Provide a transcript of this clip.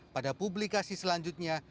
pada publikasi selanjutnya